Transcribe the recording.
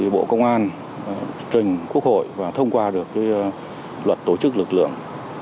bộ công an trình quốc hội và thông qua được luật tổ chức lực lượng